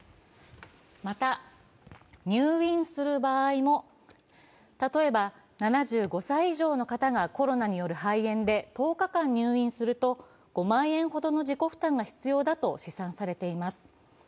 また、入院する場合も、例えば７５歳以上の方がコロナによる肺炎で１０日間入院すると、５万円ほどの自己負担だ必要だと試算されています。